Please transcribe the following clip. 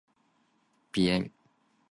個煞車掣有啲問題